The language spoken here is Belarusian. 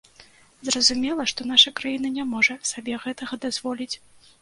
Зразумела, што наша краіна не можа сабе гэтага дазволіць.